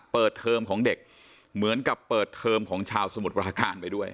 เทอมของเด็กเหมือนกับเปิดเทอมของชาวสมุทรปราการไปด้วย